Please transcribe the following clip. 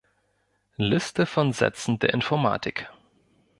Liste von Sätzen der Informatik